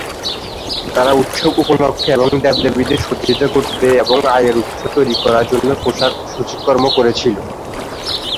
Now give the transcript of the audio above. তারা উৎসব উপলক্ষে এবং দেবদেবীদের সজ্জিত করতে এবং আয়ের উৎস তৈরি করার জন্য পোশাক সূচিকর্ম করেছিল।